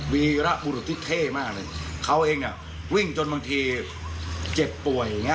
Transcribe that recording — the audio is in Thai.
วีรบุรุษที่เท่มากเลยเขาเองเนี่ยวิ่งจนบางทีเจ็บป่วยอย่างเงี้